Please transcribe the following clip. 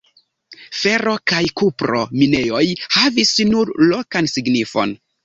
Fero- kaj kupro-minejoj havis nur lokan signifon.